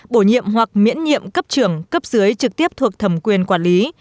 bổ nhiệm hoặc miễn nhiệm cấp trưởng cấp dưới trực tiếp thuộc thẩm quyền quản lý